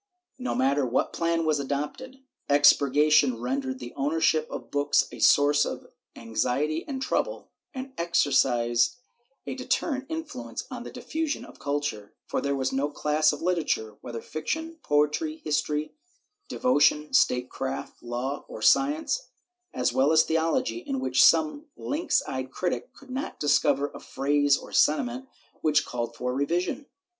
^ No matter what plan was adopted, expurgation rendered the owner ship of books a source of anxiety and trouble, and exercised a deterrent influence on the diffusion of culture, for there was no class of literature, whether fiction, poetry, history, devotion, state craft, law or science, as well as theology, in which some lynx eyed critic could not discover a phrase or sentiment which called for revision.